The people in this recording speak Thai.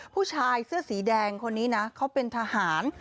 ผู้ชายเสื้อสีแดงคนนี้นะเขาเป็นทหาร